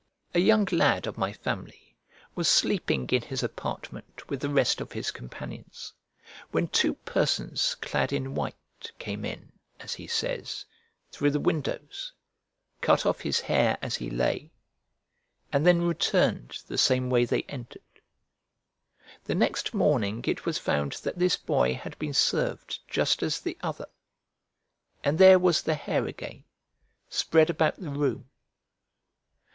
A young lad of my family was sleeping in his apartment with the rest of his companions, when two persons clad in white came in, as he says, through the windows, cut off his hair as he lay, and then returned the same way they entered. The next morning it was found that this boy had been served just as the other, and there was the hair again, spread about the room.